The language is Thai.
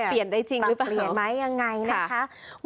เปลี่ยนได้จริงหรือเปล่าเปลี่ยนไหมยังไงนะคะค่ะ